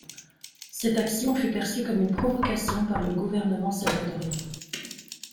Cette action fut perçue comme une provocation par le gouvernement salvadorien.